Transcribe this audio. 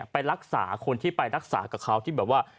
ไปรักษาคนที่ไปรักษากับเขาที่แบบว่า